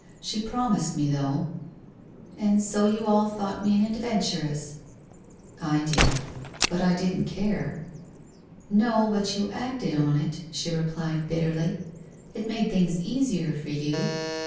She promised me, though ! And so, you all thought me an adventuress.' ' I did. Yet I didn't care.' ' No, but you acted on it,' she replied bitterly. ' It made things easier for you.